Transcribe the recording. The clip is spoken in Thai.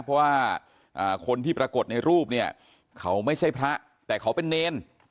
เพราะว่าคนที่ปรากฏในรูปเนี่ยเขาไม่ใช่พระแต่เขาเป็นเนร